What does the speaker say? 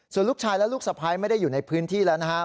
ส่วนลูกชายและลูกสะพ้ายไม่ได้อยู่ในพื้นที่แล้วนะครับ